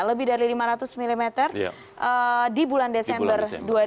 lebih dari lima ratus mm di bulan desember dua ribu dua puluh